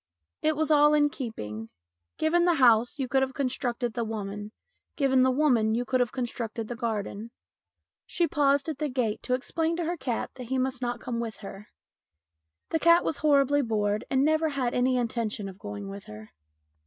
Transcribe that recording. It was all in keeping. Given the house, you could have constructed the woman ; given the woman, you could have con structed the garden. She paused at the gate to explain to her cat that he must not come with her. The cat was horribly bored and never had any intention of going with her.